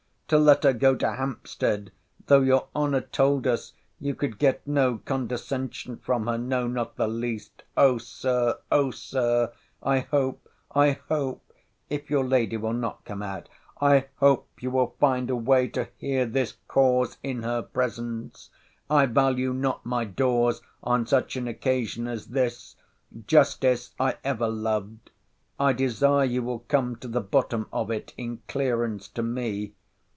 —to let her go to Hampstead, though your honour told us, you could get no condescension from her; no, not the least—O Sir, O Sir—I hope—I hope—if your lady will not come out—I hope you will find a way to hear this cause in her presence. I value not my doors on such an occasion as this. Justice I ever loved. I desire you will come to the bottom of it in clearance to me.